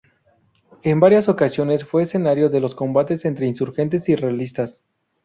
En varias ocasiones fue escenario de los combates entre insurgentes y realistas.